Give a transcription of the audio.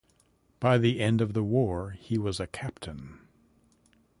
By the end of the war he was a captain.